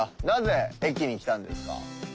なぜ駅に来たんですか？